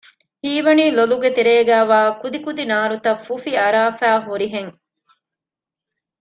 ހީވަނީ ލޮލުގެ ތެރޭގައިވާ ކުދިކުދި ނާރުތަށް ފުފި އަރާފައި ހުރިހެން